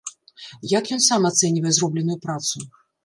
Як ён сам ацэньвае зробленую працу?